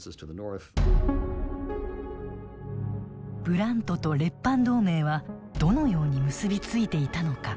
ブラントと列藩同盟はどのように結び付いていたのか。